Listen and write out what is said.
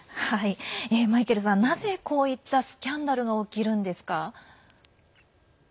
なぜ、こういったスキャンダルが起きるんですか？